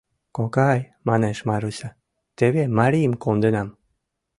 «Кокай, — манеш Маруся, — теве марийым конденам.